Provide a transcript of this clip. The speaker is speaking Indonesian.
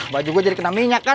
baju gue jadi kena minyak kan